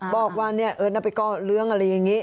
บอกว่าเอิร์ทเอาไปก้อเรืองใดอย่างนี้